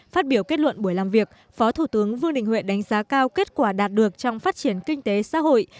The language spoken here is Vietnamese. phát biểu kết luận buổi làm việc phó thủ tướng vương đình huệ đánh giá cao kết quả đạt được trong phát triển kinh tế xã hội